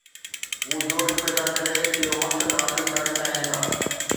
هو جوش پيدا ڪري اهو مقصد حاصل ڪرڻ چاهين ٿا.